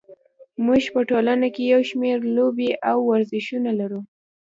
موږ په ټولنه کې یو شمېر لوبې او ورزشونه لرو.